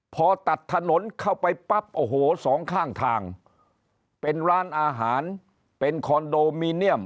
พอตัดถนนเข้าไปปั๊บโอ้โหสองข้างทางเป็นร้านอาหารเป็นคอนโดมิเนียม